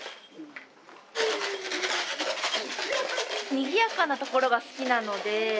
にぎやかなところが好きなので。